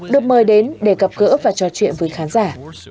được mời đến để gặp gỡ và trò chuyện với khán giả